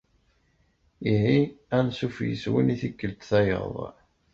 Ihi, ansuf yis-wen i tikkelt tayeḍ!